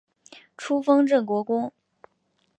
初封镇国公。